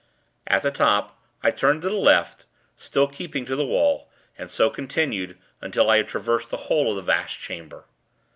At the top, I turned to the left, still keeping to the wall, and so continued, until I had traversed the whole of the vast chamber.